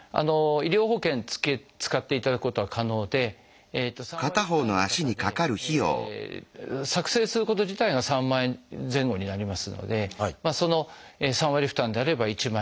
医療保険使っていただくことは可能で３割負担の方で作製すること自体が３万円前後になりますのでその３割負担であれば１万円ぐらい。